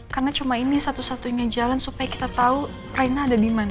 karena cuma ini satu satunya jalan supaya kita tahu raina ada di mana